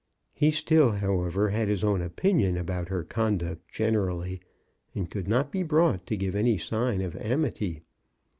He still, however, had his own opinion about her conduct generally, and could not be brought to give any sign of amity.